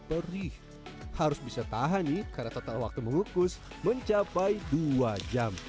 perih harus bisa tahani karena total waktu mengukus mencapai dua jam hahaha ini beras ketannya sudah